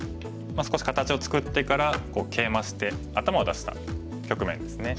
少し形を作ってからケイマして頭を出した局面ですね。